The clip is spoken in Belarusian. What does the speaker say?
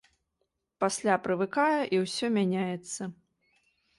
Пасля прывыкае, і ўсё мяняецца.